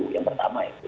yang pertama itu